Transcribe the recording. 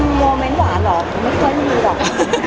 โมเมนต์หวานเหรอไม่ค่อยมีหรอก